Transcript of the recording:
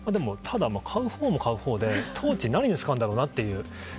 買うほうも買うほうで何に使うんだろうなっていう。